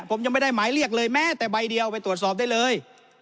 ผมยังไม่ได้หมายเรียกเลยแม้แต่ใบเดียวไปตรวจสอบได้เลย